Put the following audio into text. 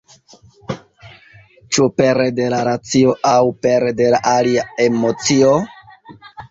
Ĉu pere de la racio aŭ pere de alia emocio?